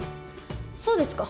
そうですか。